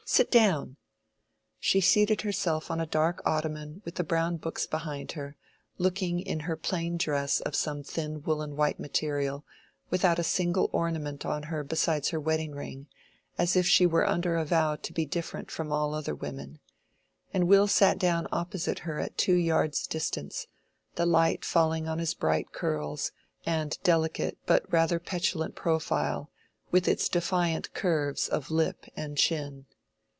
"Sit down." She seated herself on a dark ottoman with the brown books behind her, looking in her plain dress of some thin woollen white material, without a single ornament on her besides her wedding ring, as if she were under a vow to be different from all other women; and Will sat down opposite her at two yards' distance, the light falling on his bright curls and delicate but rather petulant profile, with its defiant curves of lip and chin.